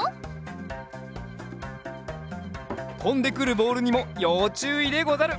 とんでくるボールにもようちゅういでござる！